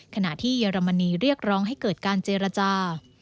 ขณะที่เยอรมนีเรียกร้องให้เกิดการเจรจา